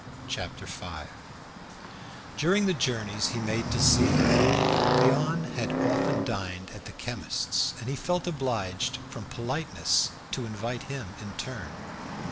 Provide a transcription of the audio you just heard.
Chapter Six During the journeys he made to see her, Léon had often dined at the chemist's, and he felt obliged from politeness to invite him in turn.